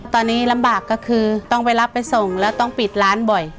ตอนนี้ลำบากก็คือต้องไปรับไปส่งแล้วต้องปิดร้านบ่อย